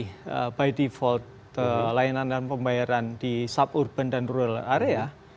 secara default layanan dan pembayaran di suburban dan rural area